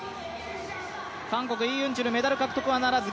韓国、イ・ユンチュルメダル獲得はならず。